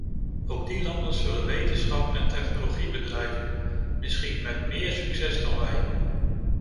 Ook die landen zullen wetenschap en technologie bedrijven, misschien met meer succes dan wij.